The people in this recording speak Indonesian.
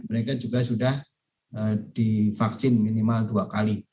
mereka juga sudah divaksin minimal dua kali